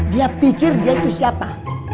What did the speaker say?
dia pikir dia itu siapa